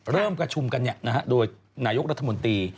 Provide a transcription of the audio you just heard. เริ่มประชุมกันโดยนายกรัฐมนตรี